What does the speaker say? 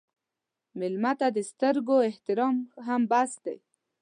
مېلمه ته د سترګو احترام هم بس دی.